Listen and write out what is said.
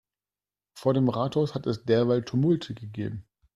Vor dem Rathaus hat es derweil Tumulte gegeben.